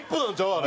あれ。